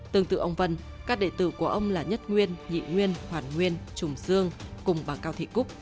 tương tự ông vân các đề tử của ông là nhất nguyên nhị nguyên hoàn nguyên trùng dương cùng bà cao thị cúc